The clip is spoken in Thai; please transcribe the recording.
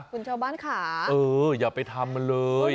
คุณชาวบ้านขาอย่าไปทำมันเลย